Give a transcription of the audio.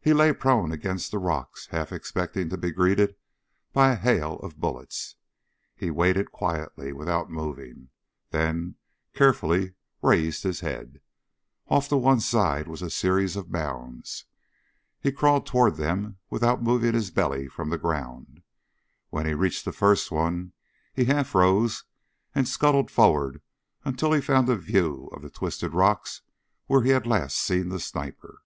He lay prone against the rocks, half expecting to be greeted by a hail of bullets. He waited quietly, without moving, then carefully raised his head. Off to one side was a series of mounds. He crawled toward them without moving his belly from the ground. When he reached the first one, he half rose and scuttled forward until he found a view of the twisted rocks where he had last seen the sniper.